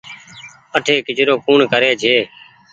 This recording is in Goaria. اٺي ڪچرو ڪوڻ ڪري ڇي ۔